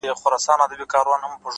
گراني په تاڅه وسول ولي ولاړې “